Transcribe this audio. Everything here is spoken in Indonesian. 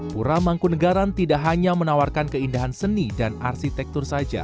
pura mangkunegaran tidak hanya menawarkan keindahan seni dan arsitektur